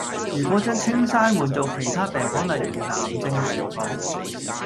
如果將青山換做其他病房例如係癌症病房